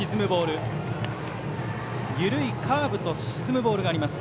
緩いカーブと沈むボールがあります。